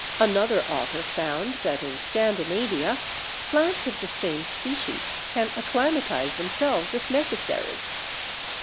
Another author found that, in Scandinavia, plants of the same species can acclimatize themselves if necessary.